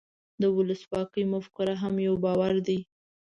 د ولسواکۍ مفکوره هم یو باور دی.